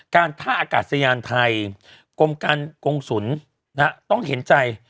การท่าอากาศยานไทยกรมการกงศุลต้องเห็นใจ